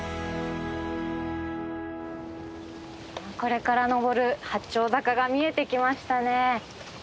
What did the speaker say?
これから登る八丁坂が見えてきましたね。